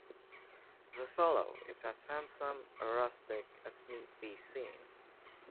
The fellow is as handsome a rustic as need be seen.